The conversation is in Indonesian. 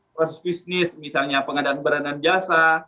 proses bisnis misalnya pengadaan peranan jasa